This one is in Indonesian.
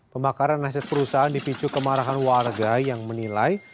pembakaran aset perusahaan dipicu kemarahan warga yang menilai